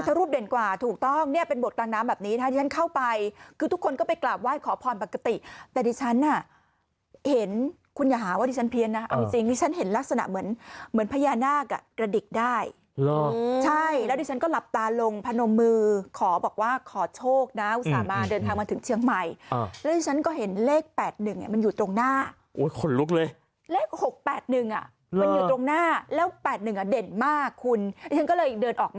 ตุนตุนตุนตุนตุนตุนตุนตุนตุนตุนตุนตุนตุนตุนตุนตุนตุนตุนตุนตุนตุนตุนตุนตุนตุนตุนตุนตุนตุนตุนตุนตุนตุนตุนตุนตุนตุนตุนตุนตุนตุนตุนตุนตุนตุนตุนตุนตุนตุนตุนตุนตุนตุนตุนตุนต